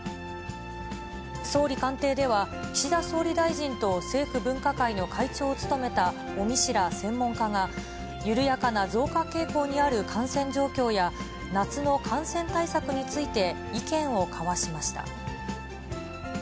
総理官邸では、岸田総理大臣と政府分科会の会長を務めた尾身氏ら専門家が、緩やかな増加傾向にある感染状況や、夏の感染対策について意見を交わしました。